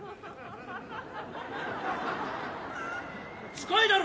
近いだろ！